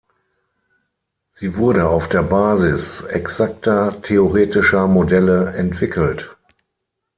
Sie wurde auf der Basis exakter theoretischer Modelle entwickelt.